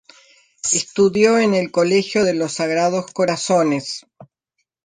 Estudió en el Colegio de Los Sagrados Corazones.